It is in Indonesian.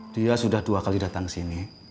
dia sudah dua kali datang ke sini